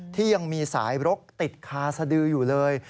ที่ยังมีสายรกติดคาสดืออยู่เลย